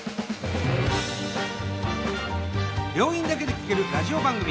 病院だけで聴けるラジオ番組。